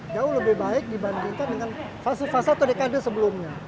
jauh lebih baik dibandingkan dengan fase fase atau dekade sebelumnya